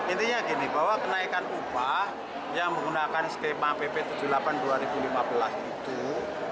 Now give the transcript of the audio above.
intinya gini bahwa kenaikan upah yang menggunakan skema pp tujuh puluh delapan dua ribu lima belas itu